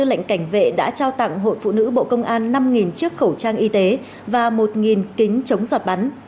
lệnh cảnh vệ đã trao tặng hội phụ nữ bộ công an năm chiếc khẩu trang y tế và một kính chống giọt bắn